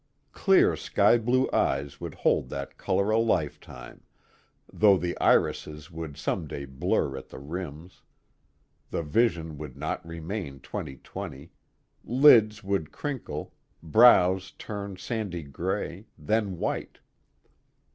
Clear sky blue eyes would hold that color a lifetime, though the irises would some day blur at the rims, the vision would not remain 20 20, lids would crinkle, brows turn sandy gray, then white.